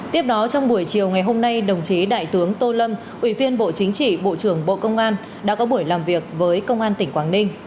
tiếp đó trong buổi chiều ngày hôm nay đồng chí đại tướng tô lâm ủy viên bộ chính trị bộ trưởng bộ công an đã có buổi làm việc với công an tỉnh quảng ninh